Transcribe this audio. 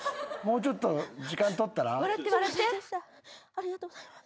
ありがとうございます。